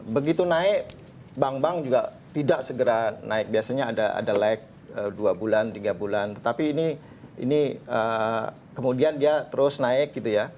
begitu naik bank bank juga tidak segera naik biasanya ada lag dua bulan tiga bulan tetapi ini kemudian dia terus naik gitu ya